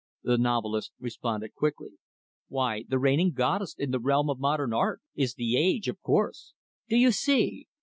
The novelist responded quickly; "Why, the reigning 'Goddess' in the realm of 'Modern Art,' is 'The Age,' of course. Do you see?